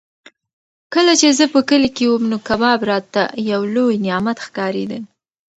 کله چې زه په کلي کې وم نو کباب راته یو لوی نعمت ښکارېده.